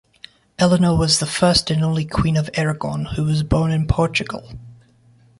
Eleanor was the first and only queen of Aragon who was born in Portugal.